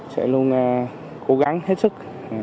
sẽ luôn cố gắng hết sức